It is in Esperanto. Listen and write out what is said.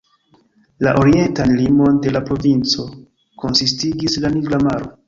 La orientan limon de la provinco konsistigis la Nigra Maro.